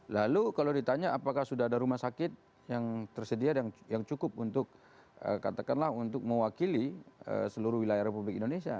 lalu kalau ditanya apakah sudah ada rumah sakit yang tersedia yang cukup untuk katakanlah untuk mewakili seluruh wilayah republik indonesia